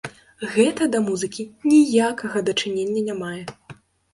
Гэта да музыкі ніякага дачынення не мае!